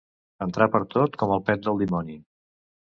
Entrar pertot, com el pet del dimoni.